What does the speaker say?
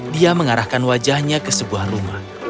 dia mengarahkan wajahnya ke sebuah rumah